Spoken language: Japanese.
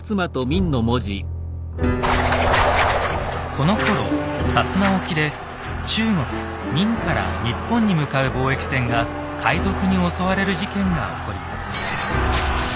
このころ摩沖で中国・明から日本に向かう貿易船が海賊に襲われる事件が起こります。